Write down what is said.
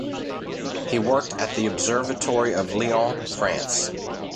He worked at the Observatory of Lyon, France.